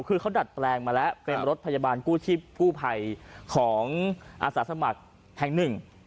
คือเขาดัดแปลงมาแล้วเป็นรถพยาบาลกู้ชีพกู้ไพยของอาศัตริย์สมัครแห่ง๑